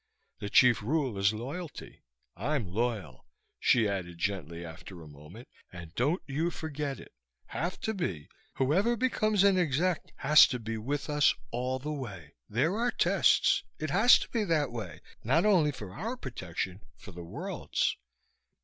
The chief rule is loyalty. I'm loyal," she added gently after a moment, "and don't you forget it. Have to be. Whoever becomes an exec has to be with us, all the way. There are tests. It has to be that way not only for our protection. For the world's."